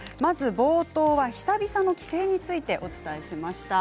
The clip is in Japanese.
冒頭は久々の帰省についてお伝えしました。